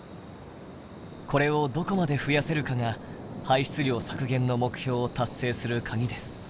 これをどこまで増やせるかが排出量削減の目標を達成するカギです。